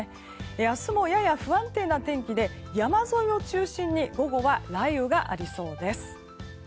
明日もやや不安定な天気で山沿いを中心に午後は雷雨がありそうです。